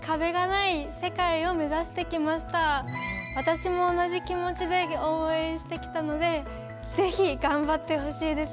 私も同じ気持ちで応援してきたのでぜひ頑張ってほしいです。